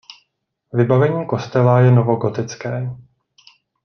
Vybavení kostela je novogotické.